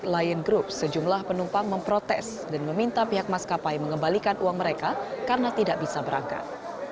lion group sejumlah penumpang memprotes dan meminta pihak maskapai mengembalikan uang mereka karena tidak bisa berangkat